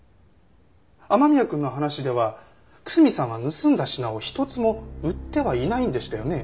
雨宮くんの話では楠見さんは盗んだ品を一つも売ってはいないんでしたよね？